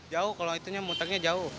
jauh kalau itu mutangnya jauh